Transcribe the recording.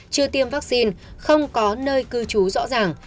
chưa tiêm vaccine không có nơi cư trú rõ ràng